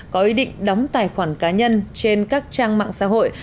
có ý định đóng tài khoản cá nhân trên các trang mạng xã hội